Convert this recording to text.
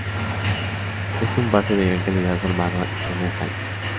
Es un base de gran calidad formado en Siena Saints.